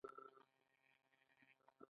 خو د وسلې بې ځایه کارول منع دي.